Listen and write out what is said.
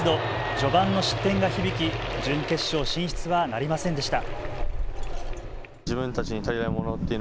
序盤の失点が響き準決勝進出はなりませんでした。